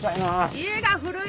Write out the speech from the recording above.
家が古い！